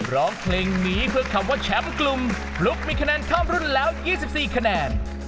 ร้องเพลงนี้เพื่อคำว่าแชมป์กลุ่มพลลุกมีคะแนนข้ามรุ่นแล้ว๒๔คะแนน